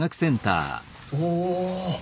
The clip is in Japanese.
おお！